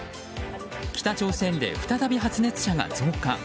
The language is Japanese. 北朝鮮で再び発熱者が増加。